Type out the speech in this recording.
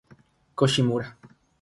Ko Shimura